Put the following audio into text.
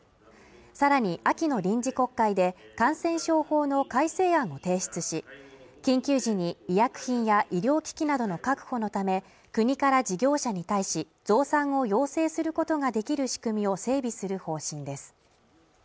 さらに秋の臨時国会で感染症法の改正案を提出し緊急時に医薬品や医療機器などの確保のため国から事業者に対し増産を要請することができる仕組みを整備する方針です